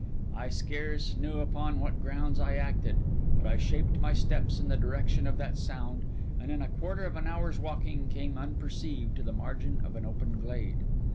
I scarce knew upon what grounds I acted; but I shaped my steps in the direction of that sound; and in a quarter of an hour's walking, came unperceived to the margin of an open glade.